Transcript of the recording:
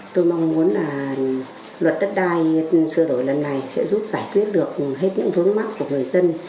tôi mong muốn là luật đất đai sửa đổi lần này sẽ giúp giải quyết được hết những vướng mắt của người dân